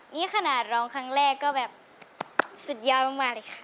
นี่ขนาดร้องครั้งแรกก็แบบสุดยอดมากเลยค่ะ